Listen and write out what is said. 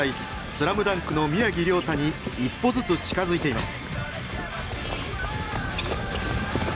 「スラムダンク」の宮城リョータに一歩ずつ近づいています。